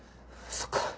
そっか。